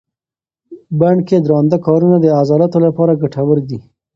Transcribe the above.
بڼ کې درانده کارونه د عضلاتو لپاره ګټور دي.